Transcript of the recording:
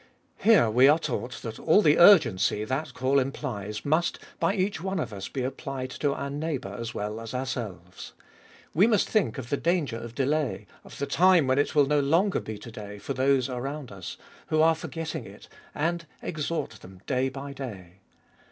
Here we are taught that all the urgency that call implies must by each one of us be applied to our neighbour as well as ourselves. We must think of the danger of delay, of the time when it will be no longer To day for those around us, who are forgetting it, and exhort them day by day.